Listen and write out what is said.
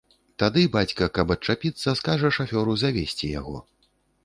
Тады бацька, каб адчапіцца, скажа шафёру завезці яго.